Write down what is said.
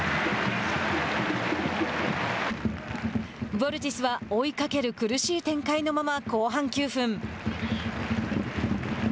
ヴォルティスは追いかける苦しい展開のまま後半９分。